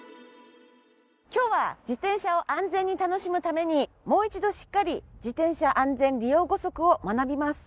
今日は自転車を安全に楽しむためにもう一度しっかり自転車安全利用五則を学びます。